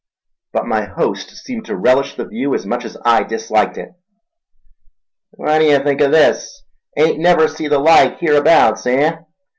But my host seemed to relish the view as much as I disliked it. "What d'ye think o' this—ain't never see the like hereabouts, eh?